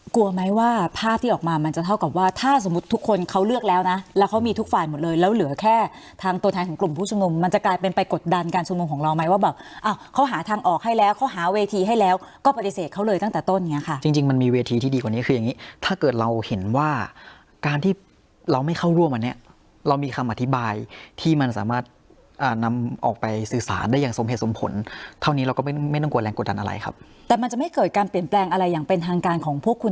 กลัวไหมว่าภาพที่ออกมามันจะเท่ากับว่าถ้าสมมติทุกคนเขาเลือกแล้วน่ะแล้วเขามีทุกฝ่านหมดเลยแล้วเหลือแค่ทางตัวแทนของกลุ่มผู้ชงมมันจะกลายเป็นไปกดดันการชงมของเราไหมว่าแบบอ่าเขาหาทางออกให้แล้วเขาหาเวทีให้แล้วก็ปฏิเสธเขาเลยตั้งแต่ต้นอย่างเงี้ยค่ะจริงจริงมันมีเวทีที่ดีกว่านี้คือยังงี้